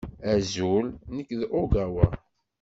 Azul. Nekk d Ogawa.